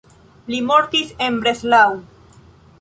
Li mortis en Breslau.